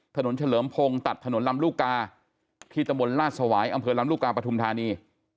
เฉลิมพงศ์ตัดถนนลำลูกกาที่ตำบลลาดสวายอำเภอลำลูกกาปฐุมธานี